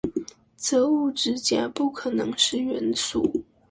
則物質甲不可能是元素